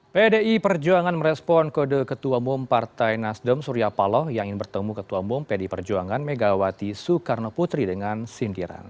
pdi perjuangan merespon kode ketua umum partai nasdem surya paloh yang ingin bertemu ketua umum pdi perjuangan megawati soekarno putri dengan sindiran